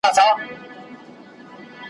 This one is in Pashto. اوښکي مي د عمر پر ګرېوان دانه دانه راځي ,